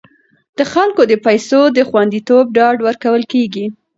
د خلکو د پیسو د خوندیتوب ډاډ ورکول کیږي.